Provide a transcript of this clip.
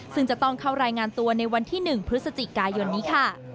ซึ่งจะต้องเข้ารายงานตัวในวันที่๑พฤศจิกายนนี้ค่ะ